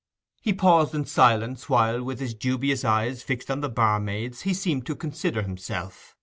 He paused in silence while, with his dubious eyes fixed on the barmaids, he seemed to consider himself.